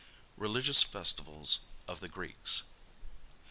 RELIGIOUS FESTIVALS OF THE GREEKS.